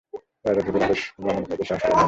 রাজা ধ্রুবের আদেশ লঙ্ঘন করিতে সাহস করিলেন না।